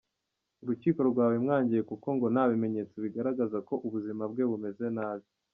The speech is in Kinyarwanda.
Urukiko rwabimwangiye kuko ngo nta bimenyetso bigaragaza ko ubuzima bwe bumeze nabi.